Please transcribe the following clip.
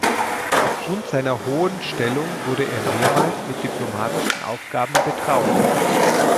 Aufgrund seiner hohen Stellung wurde er mehrmals mit diplomatischen Aufgaben betraut.